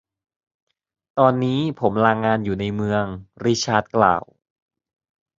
ตอนนี้ผมลางานอยู่ในเมือง ริชาร์ดกล่าว